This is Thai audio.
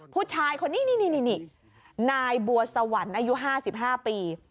ผู้ชายคนนี้นี่นายบัวสวรรค์อายุ๕๕ปี